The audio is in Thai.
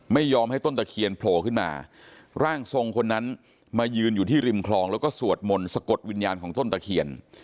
ไม่ยอมให้ต้นตะเคียนโผล่ขึ้นมาร่างทรงคนนั้นมายืนอยู่ที่ริมคลองแล้วก็สวดมนต์สะกดวิญญาณของต้นตะเคียน